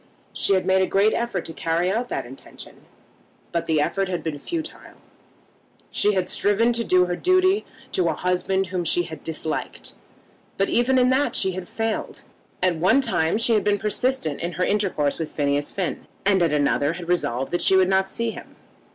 She had made a great effort to carry out that intention, but the effort had been futile. She had striven to do her duty to a husband whom she disliked, but even in that she had failed. At one time she had been persistent in her intercourse with Phineas Finn, and at another had resolved that she would not see him.